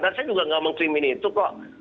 dan saya juga nggak mengkrim ini itu kok